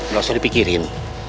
gak usah dipikirin